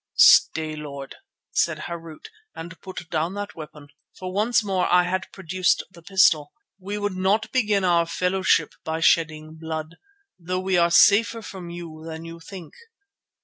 "Stay, Lord," said Harût, "and put down that weapon," for once more I had produced the pistol. "We would not begin our fellowship by shedding blood, though we are safer from you than you think.